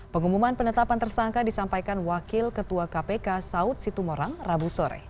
pengumuman penetapan tersangka disampaikan wakil ketua kpk saud situmorang rabu sore